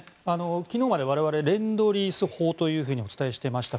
昨日まで我々レンドリース法とお伝えしていました